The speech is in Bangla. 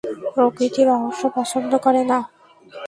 প্রকৃতি রহস্য পছন্দ করে না।